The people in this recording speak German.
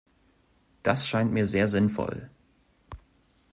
Das scheint mir sehr sinnvoll.